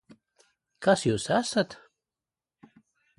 Kas jūs esat?